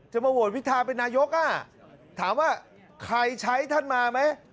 มาโหวตวิทาเป็นนายกถามว่าใครใช้ท่านมาไหม